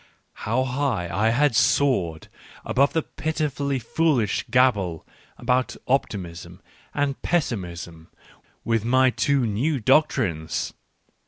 How high I had soared above the pitifully foolish gabble about Optimism and Pessimism with my two new doctrines